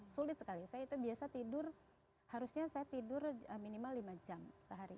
sulit sekali saya itu biasa tidur harusnya saya tidur minimal lima jam sehari